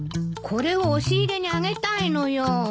これを押し入れに上げたいのよ。